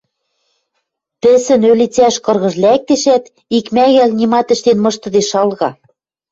Пӹсӹн ӧлицӓш кыргыж лӓктешӓт, икмӓгӓл нимат ӹштен мыштыде шалга